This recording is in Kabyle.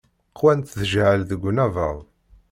Qwant tjeɛɛal deg unabaḍ.